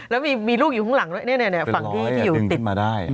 แล้วมีลูกอยู่ข้างหลังด้วยนี่ฝั่งนี้ที่อยู่ติด